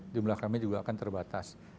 jumlah kami juga akan terbatas